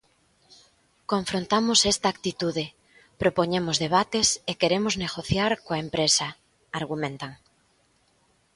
"Confrontamos esta actitude, propoñemos debates e queremos negociar coa empresa", argumentan.